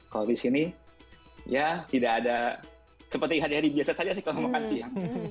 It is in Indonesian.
kalau di sini ya tidak ada seperti hari hari biasa saja sih kalau makan siang